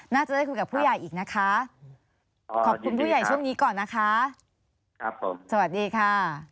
น่าจะได้คุยกับผู้ใหญ่อีกนะคะขอบคุณผู้ใหญ่ช่วงนี้ก่อนนะคะครับผมสวัสดีค่ะ